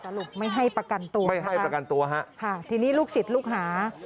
สรุปไม่ให้ประกันตัวครับครับทีนี้ลูกศิษย์ลูกหา